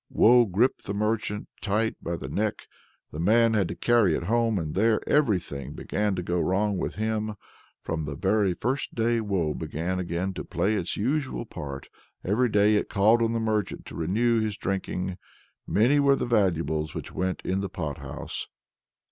Woe gripped the rich merchant tight by the neck; the man had to carry it home, and there everything began to go wrong with him. From the very first day Woe began again to play its usual part, every day it called on the merchant to renew his drinking. Many were the valuables which went in the pot house.